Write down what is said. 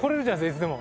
いつでも。